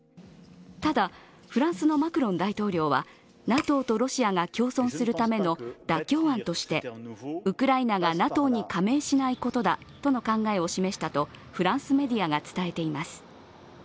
ただ、フランスのマクロン大統領はＮＡＴＯとロシアが共存するための妥協案としてウクライナがＮＡＴＯに加盟しないことだとの考えを示したとフランスメディアが伝えています。